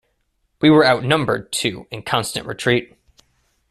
We were outnumbered, too, in constant retreat.